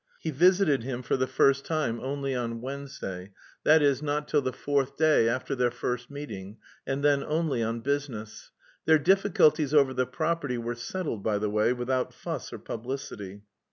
He visited him for the first time only on Wednesday, that is, not till the fourth day after their first meeting, and then only on business. Their difficulties over the property were settled, by the way, without fuss or publicity.